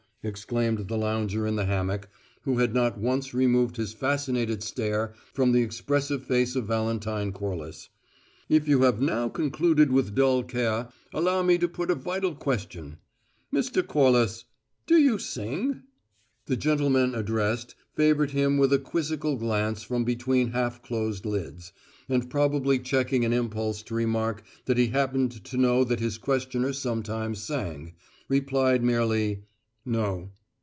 exclaimed the lounger in the hammock, who had not once removed his fascinated stare from the expressive face of Valentine Corliss. "If you have now concluded with dull care, allow me to put a vital question: Mr. Corliss, do you sing?" The gentleman addressed favoured him with a quizzical glance from between half closed lids, and probably checking an impulse to remark that he happened to know that his questioner sometimes sang, replied merely, "No."